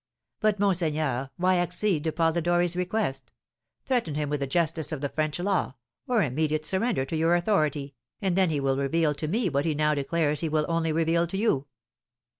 "But, monseigneur, why accede to Polidori's request? Threaten him with the justice of the French law, or immediate surrender to your authority, and then he will reveal to me what he now declares he will only reveal to you."